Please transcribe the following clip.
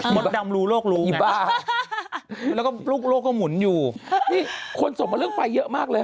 หมดดำรูโรครู้แน่ะ